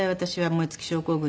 燃え尽き症候群？